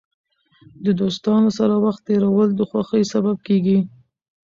د دوستانو سره وخت تېرول د خوښۍ سبب کېږي.